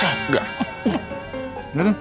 jalan buka gerbang